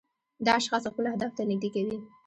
دا اشخاص خپلو اهدافو ته نږدې کوي.